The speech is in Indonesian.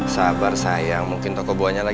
suara yang ai biasa